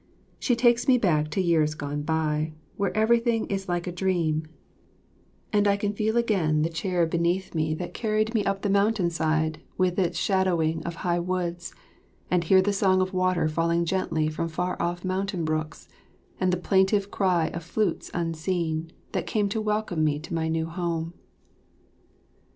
She takes me back to years gone by, where everything is like a dream, and I can feel again the chair beneath me that carried me up the mountain side with its shadowing of high woods, and hear the song of water falling gently from far off mountain brooks, and the plaintive cry of flutes unseen, that came to welcome me to my new home.